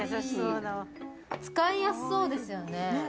使いやすそうですよね。